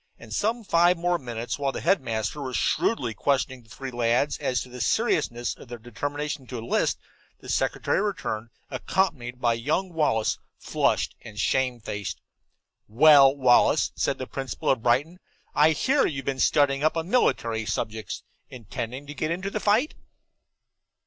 And in five more minutes, while the headmaster was shrewdly questioning the three lads as to the seriousness of their determination to enlist, the secretary returned, accompanied by young Wallace, flushed and shamefaced. "Well, Wallace," said the principal of Brighton, "I hear you've been studying up on military subjects. Intending to get into the fight?"